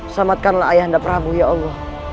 selamatkanlah ayah anda prabu ya allah